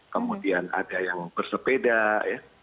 kemudian ada yang bersepeda ya